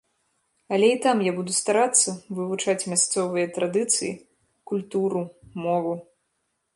Але і там я буду старацца вывучаць мясцовыя традыцыі, культуру, мову.